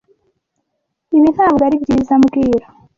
Ibi ntabwo ari byiza mbwira